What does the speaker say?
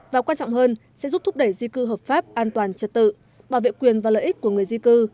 và quan trọng hơn sẽ giúp thúc đẩy di cư hợp pháp an toàn trật tự bảo vệ quyền và lợi ích của người di cư